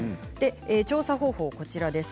調査方法は、こちらです。